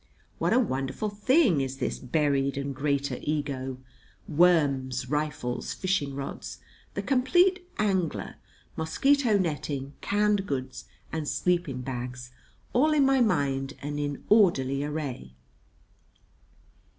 What a wonderful thing is this buried and greater ego! Worms, rifles, fishing rods, 'The Complete Angler,' mosquito netting, canned goods, and sleeping bags, all in my mind and in orderly array!"